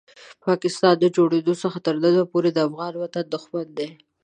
پاکستان د جوړېدو څخه تر نن ورځې پورې د افغان وطن دښمن دی.